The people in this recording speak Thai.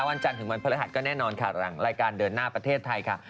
วันจันทร์ถึงวันพฤหัสก็แน่นอนค่ะหลังรายการเดินหน้าประเทศไทยค่ะ